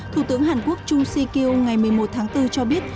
thủ tướng hàn quốc trung sik kyo ngày một mươi một tháng bốn cho biết